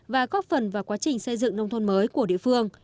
và góp phần vào quá trình xây dựng nông thôn mới của địa phương